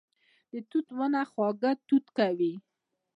د توت ونه خواږه توت کوي